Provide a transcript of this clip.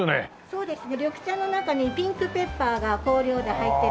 そうですね。